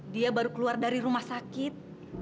dia baru keluar dari rumah sakit